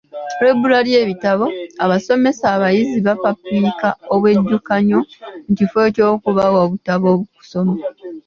Olw'ebbula ly'ebitabo, abasomesa abayizi babapiika obwejjukanyo mu kifo ky'okubawa obutabo okusoma!